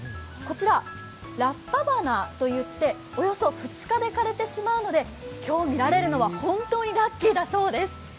こちら、ラッパバナといって、およそ２日で枯れてしまうので今日見られるのは本当にラッキーだそうです。